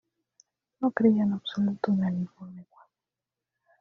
No creía en absoluto en el Informe Warren.